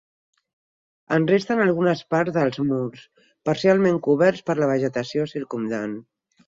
En resten algunes parts dels murs, parcialment coberts per la vegetació circumdant.